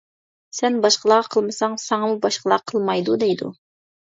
سەن باشقىلارغا قىلمىساڭ ساڭىمۇ باشقىلار قىلمايدۇ دەيدۇ.